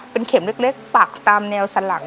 เป็นเข็มเล็กปักตามแนวสลัก